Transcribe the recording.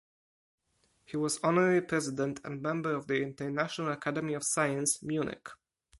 He was Honorary President and Member of the International Academy of Science, Munich.